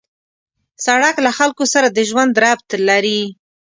سړک له خلکو سره د ژوند ربط لري.